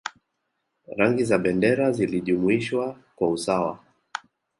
Rangi za bendera zilijumuishwa kwa usawa